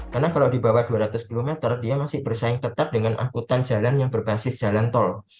karena kalau di bawah dua ratus km dia masih bersaing tetap dengan akutan jalan yang berbasis jalan tol